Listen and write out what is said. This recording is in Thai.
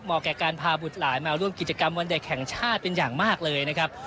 แก่การพาบุตรหลายมาร่วมกิจกรรมวันเด็กแห่งชาติเป็นอย่างมากเลยนะครับ